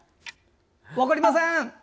分かりません！